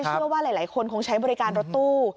เชื่อว่าหลายคนคงใช้บริการรถตู้